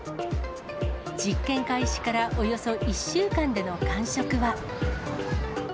実験開始からおよそ１週間での感触は。